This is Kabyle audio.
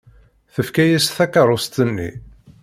Tefka-as takeṛṛust-nni.